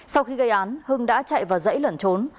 sau khi gây án hưng đã chạy vào dãy lẩn trốn